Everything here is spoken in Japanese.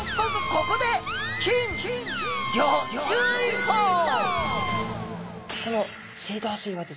ここでこの水道水はですね